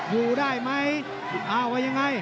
อยู่ได้ไหมอ้าวว่ายังไง